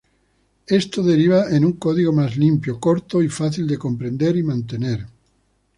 Esto deriva en un código más limpio, corto y fácil de comprender y mantener.